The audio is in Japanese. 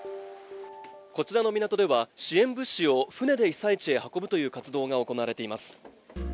こちらの港では支援物資を船で被災地に運ぶという活動が行われています。